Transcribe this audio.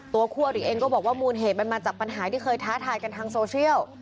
คู่อริเองก็บอกว่ามูลเหตุมันมาจากปัญหาที่เคยท้าทายกันทางโซเชียล